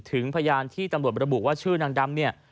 พยานที่ตำรวจระบุว่าชื่อนางดำเนี่ย